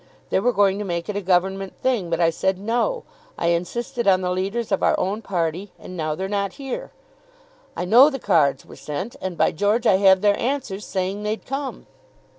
They were going to make it a Government thing; but I said no. I insisted on the leaders of our own party; and now they're not here. I know the cards were sent; and, by George, I have their answers, saying they'd come."